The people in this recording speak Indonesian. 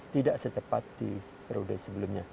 tidak secepat di periode sebelumnya